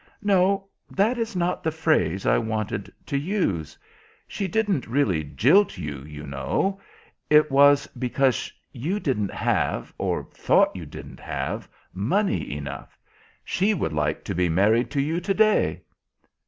"No, that is not the phrase I wanted to use. She didn't really jilt you, you know. It was because you didn't have, or thought you didn't have, money enough. She would like to be married to you to day."